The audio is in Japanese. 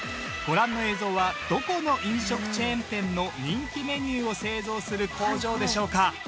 ご覧の映像はどこの飲食チェーン店の人気メニューを製造する工場でしょうか？